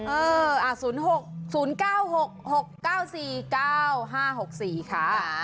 เออ๐๖๐๙๖๖๙๔๙๕๖๔ค่ะ